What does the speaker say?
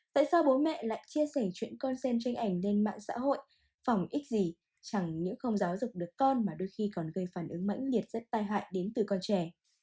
tại sao bố mẹ lại chia sẻ chuyện con xem tranh ảnh lên mạng xã hội phòng ít gì chẳng những không giáo dục được con mà đôi khi còn gây phản ứng mãnh liệt rất tai hại đến từ con trẻ